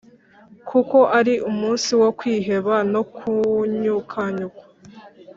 Kuko ari umunsi wo kwiheba no kunyukanyukwa